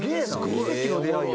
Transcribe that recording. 奇跡の出会いや。